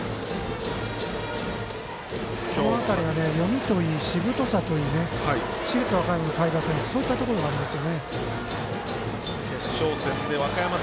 この辺りが読みといい、しぶとさといい市立和歌山の下位打線そういったところがあります。